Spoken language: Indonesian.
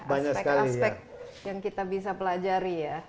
aspek aspek yang kita bisa pelajari ya